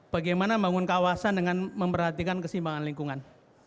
bagaimana membangun kawasan dengan memperhatikan kesimbangan lingkungan